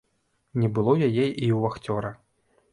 Не было яе і ў вахцёра.